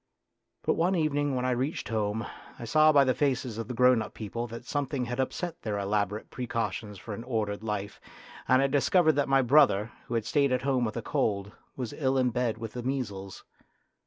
But one evening when I reached home I saw by the faces of the grown up people that A DRAMA OF YOUTH 27 something had upset their elaborate pre cautions for an ordered life, and I discovered that my brother, who had stayed at home with a cold, was ill in bed with the measles.